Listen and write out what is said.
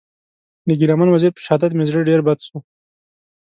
د ګیله من وزېر په شهادت مې زړه ډېر بد سو.